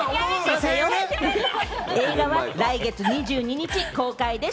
映画は来月２２日公開です。